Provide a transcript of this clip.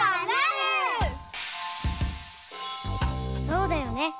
そうだよね。